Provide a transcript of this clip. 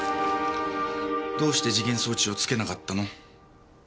どうして時限装置を付けなかったの？